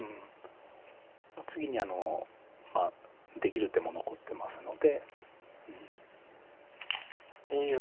次に出切る手も残ってますので。